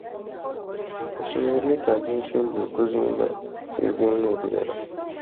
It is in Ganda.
Essomero lyetaaga ensimbi okuzimba ebibiina ebirala.